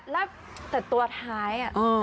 แล้วแต่ตัวท้าย